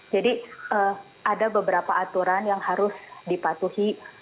jadi ada beberapa aturan yang harus dipatuhi